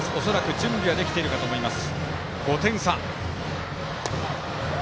準備はできているかと思います。